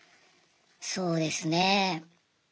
そうですねえ。